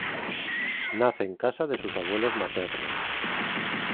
Nace en casa de sus abuelos maternos.